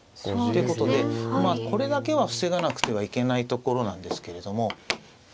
そうですね。ということでこれだけは防がなくてはいけないところなんですけれども。